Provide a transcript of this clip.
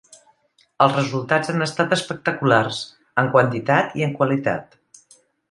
Els resultats han estat espectaculars, en quantitat i en qualitat.